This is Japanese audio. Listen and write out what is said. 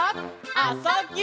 「あ・そ・ぎゅ」